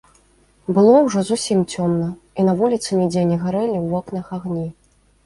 Было ўжо зусім цёмна, і на вуліцы нідзе не гарэлі ў вокнах агні.